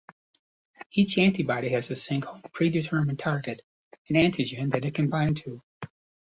Each antibody has a single predetermined target, an antigen, that it can bind to.